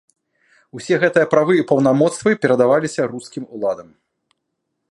Усе гэтыя правы і паўнамоцтвы перадаваліся рускім уладам.